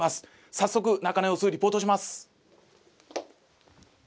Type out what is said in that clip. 早速中の様子をリポートします。